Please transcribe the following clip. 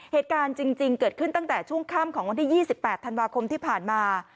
เหตุการณ์จริงเกิดขึ้นตั้งแต่ช่วงค่ำของวันที่๒๘ธันวาคมที่ผ่านมา